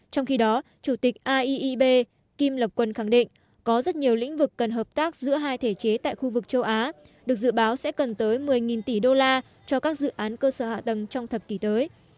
trong khi đó chủ tịch aib kim lập quân khẳng định có rất nhiều lĩnh vực cần hợp tác giữa hai thể chế tại khu vực châu á được dự báo sẽ cần tới một mươi tỷ đô la cho các dự án cơ sở hạ tầng trong thập kỷ tới